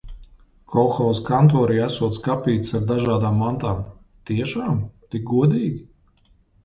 Kolhoza kantorī esot skapītis ar dažādām mantām. Tiešām? Tik godīgi?